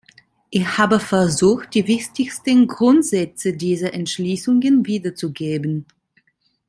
Ich habe versucht, die wichtigsten Grundsätze dieser Entschließungen wiederzugeben.